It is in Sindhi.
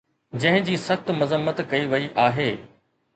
جنهن جي سخت مذمت ڪئي وئي آهي